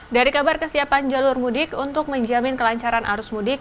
dari kabar kesiapan jalur mudik untuk menjamin kelancaran arus mudik